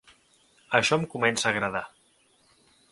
Això em comença a agradar.